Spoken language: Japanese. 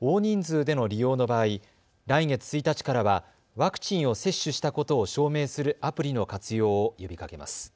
大人数での利用の場合、来月１日からはワクチンを接種したことを証明するアプリの活用を呼びかけます。